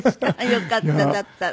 良かっただったら。